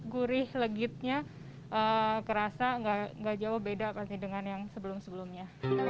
gurih legitnya kerasa nggak jauh beda dengan yang sebelum sebelumnya